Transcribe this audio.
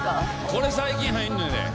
これ最近入んのやで。